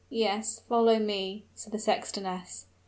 "Yes; follow me," said the sextoness.